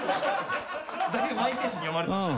だいぶマイペースに読まれてましたね。